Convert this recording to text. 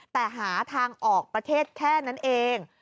แต่หาทางออกประเทศแค่นั้นเอง